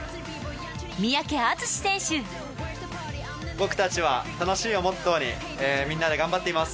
僕たちは楽しいをモットーにみんなで頑張っています。